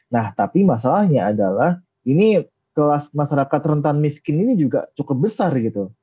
nah tapi masalahnya adalah ini kelas masyarakat rentan miskin ini juga cukup besar gitu